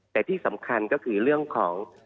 แต่ที่สำคัญก็คือเรื่องของ